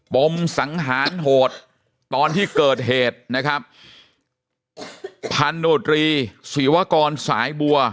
มสังหารโหดตอนที่เกิดเหตุนะครับพันโนตรีศรีวกรสายบัว